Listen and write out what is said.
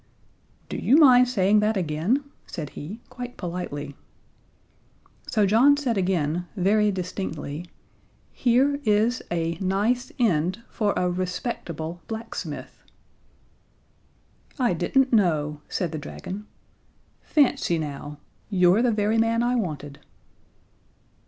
"Do you mind saying that again?" said he, quite politely. So John said again, very distinctly: "Here is a nice end for a respectable blacksmith." "I didn't know," said the dragon. "Fancy now! You're the very man I wanted."